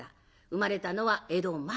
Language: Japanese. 生まれたのは江戸末期。